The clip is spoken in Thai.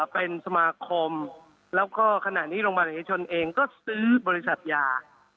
เป็นสมาคมแล้วก็ขณะนี้โรงพยาบาลเอกชนเองก็ซื้อบริษัทยา